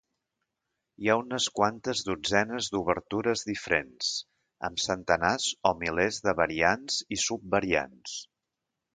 Hi ha unes quantes dotzenes d'obertures diferents, amb centenars o milers de variants i subvariants.